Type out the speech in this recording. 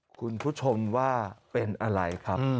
คุณผู้ชมว่าเป็นอะไรครับ